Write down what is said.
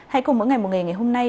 hãy cùng mỗi ngày một nghề ngày hôm nay